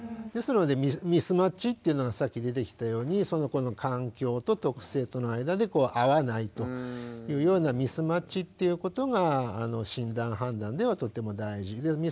ですのでミスマッチっていうのがさっき出てきたようにその子の環境と特性との間で合わないというようなミスマッチということが診断判断ではとても大事で。